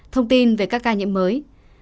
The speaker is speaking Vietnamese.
thông tin về các ca nhiễm mới